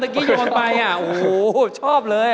เมื่อกี้โยนไปโอ้โฮชอบเลย